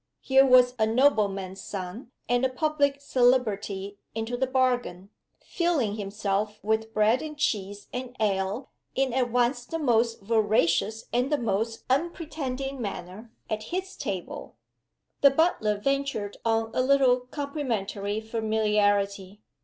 Here was a nobleman's son, and a public celebrity into the bargain, filling himself with bread and cheese and ale, in at once the most voracious and the most unpretending manner, at his table! The butler ventured on a little complimentary familiarity.